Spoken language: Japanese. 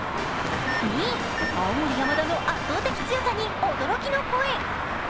２位、青森山田の圧倒的強さに驚きの声。